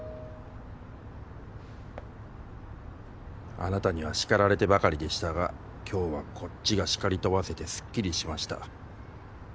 「あなたには叱られてばかりでしたが今日はこっちが叱り飛ばせてすっきりしました。